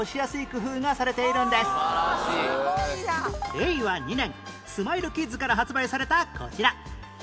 令和２年スマイルキッズから発売されたこちら